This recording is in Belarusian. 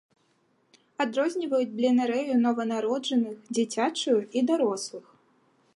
Адрозніваюць бленарэю нованароджаных, дзіцячую і дарослых.